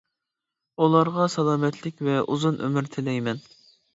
ئۇلارغا سالامەتلىك ۋە ئۇزۇن ئۆمۈر تىلەيمەن.